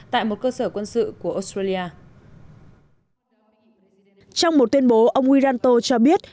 tại một cơ sở quân sự của australia trong một tuyên bố ông wiranto cho biết